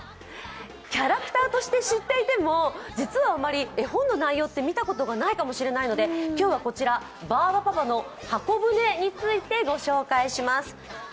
キャラクターとして知っていても、実はあまり絵本の内容って見たことがないかもしれないので、今日はこちら、「バーバパパのはこぶね」について御紹介します。